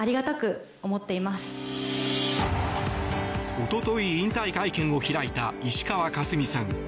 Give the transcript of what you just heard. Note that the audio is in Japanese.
一昨日、引退会見を開いた石川佳純さん。